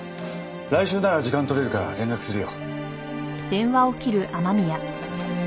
来週なら時間取れるから連絡するよ。